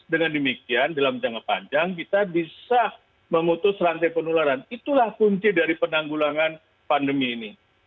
dengan demikian dalam jangka panjang kita bisa memutus rantai penularan itulah kunci dari penanggulangan pandemi ini